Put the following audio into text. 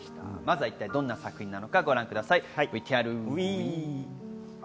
まずは一体どんな作品なのかご覧ください。